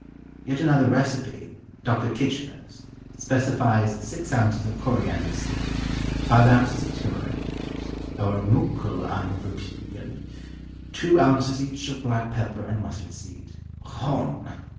Yet another recipe (DOCTOR KITCHENER'S) specifies six ounces of coriander seed, five ounces of turmeric (ower muckle, I'm of opeenion) two ounces each of black pepper and mustard seed (_ochone!